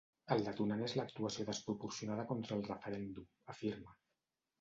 El detonant és l’actuació desproporcionada contra el referèndum, afirma.